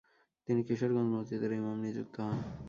তিনি কিশোরগঞ্জ মসজিদের ইমাম নিযুক্ত হন।